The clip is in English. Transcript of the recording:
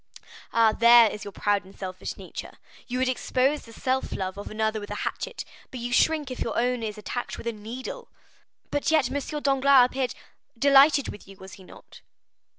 "Ah! there is your proud and selfish nature. You would expose the self love of another with a hatchet, but you shrink if your own is attacked with a needle." "But yet, M. Danglars appeared——" "Delighted with you, was he not?